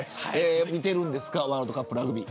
見てるんですかワールドカップラグビー。